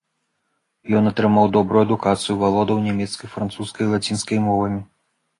Ён атрымаў добрую адукацыю, валодаў нямецкай, французскай і лацінскай мовамі.